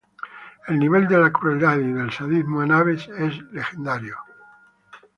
El nivel de la crueldad y del sadismo de Abbes es legendario.